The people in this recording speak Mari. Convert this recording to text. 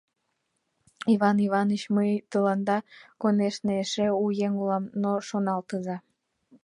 Иван Иваныч, мый тыланда, конешне, эше у еҥ улам, но шоналтыза.